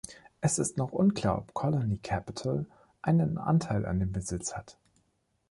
Es ist noch unklar, ob Colony Capital einen Anteil an dem Besitz hat.